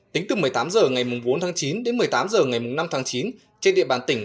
tính từ một mươi tám h ngày bốn tháng chín đến một mươi tám h ngày năm tháng chín trên địa bàn tỉnh